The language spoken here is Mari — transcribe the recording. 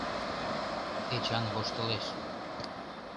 — Эчан воштылеш.